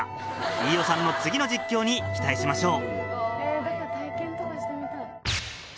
飯尾さんの次の実況に期待しましょう。